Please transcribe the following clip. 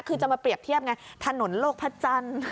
คือจะมาเปรียบเทียบไงถนนโลกพระจันทร์